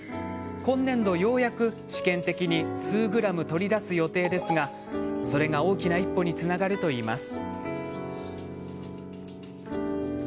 今年度、ようやく試験的に数グラム取り出す予定ですがそれが大きな一歩につながるといいます。